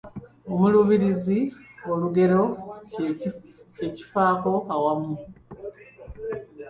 Omuluubirizi olugero kye kifaako awamu